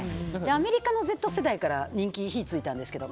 アメリカのＺ世代から人気に火が付いたんですけど。